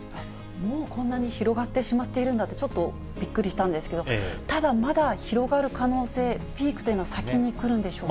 もうこんなに広がってしまっているんだって、ちょっとびっくりしたんですけど、ただ、まだ広がる可能性、ピークというのは先にくるんでしょうか。